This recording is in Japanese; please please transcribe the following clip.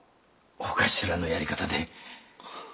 お頭のやり方で。